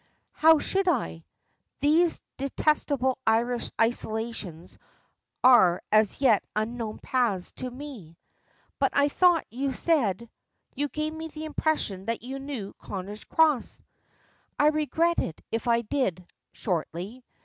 "How should I? These detestable Irish isolations are as yet unknown paths to me." "But I thought you said you gave me the impression that you knew Connor's Cross." "I regret it if I did," shortly.